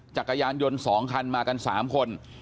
จักรยานยนต์๒คันมากัน๓คน